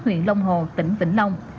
nguyện long hồ tỉnh vĩnh long